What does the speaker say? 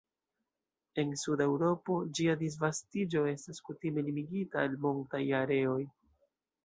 En suda Eŭropo, ĝia disvastiĝo estas kutime limigita al montaj areoj.